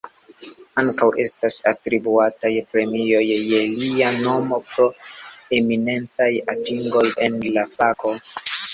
Ankaŭ estas atribuataj premioj je lia nomo pro eminentaj atingoj en la fako.